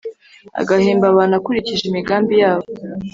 agahemba abantu akurikije imigambi yabo;